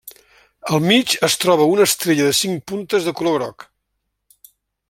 Al mig es troba una estrella de cinc puntes de color groc.